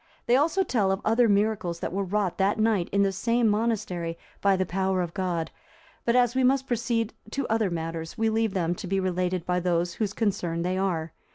They also tell of other miracles that were wrought that night in the same monastery by the power of God; but as we must proceed to other matters, we leave them to be related by those whose concern they are.